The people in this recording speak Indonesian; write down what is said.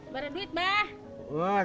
berat duit mak